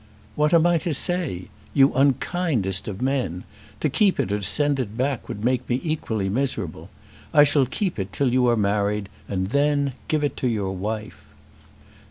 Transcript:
"What am I to say? You unkindest of men! To keep it or to send it back would make me equally miserable. I shall keep it till you are married, and then give it to your wife."